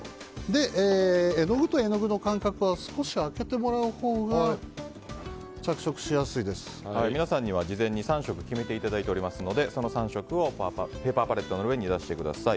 絵の具と絵の具の間隔は少し開けてもらうほうが皆さんには事前に３色決めていただいておりますのでその３色をペーパーパレットの上に出してください。